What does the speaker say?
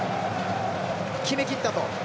決めきったと。